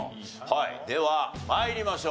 はいでは参りましょう。